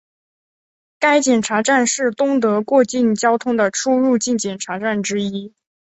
该检查站是东德过境交通的出入境检查站之一。